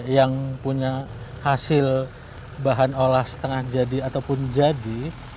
yang punya hasil bahan olah setengah jadi ataupun jadi